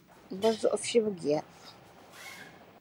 Bɛ zuɣu fibgiya.